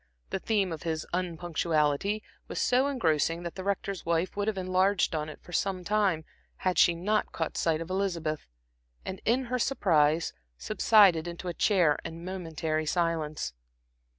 The theme of his unpunctuality was so engrossing that the Rector's wife would have enlarged on it for some time, had she not caught sight of Elizabeth, and in her surprise subsided into a chair and momentary silence.